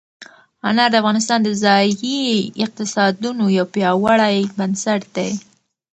انار د افغانستان د ځایي اقتصادونو یو پیاوړی بنسټ دی.